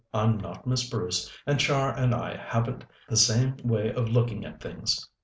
I'm not Miss Bruce, and Char and I haven't the same way of looking at things.